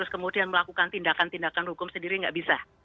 kemudian melakukan tindakan tindakan hukum sendiri nggak bisa